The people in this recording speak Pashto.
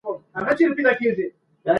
پلار مي وویل چي پښتو د غیرت او مېړانې غږ دی.